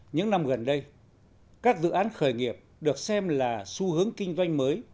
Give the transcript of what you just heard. những năm gần đây các dự án khởi nghiệp được xem là xu hướng kinh doanh mới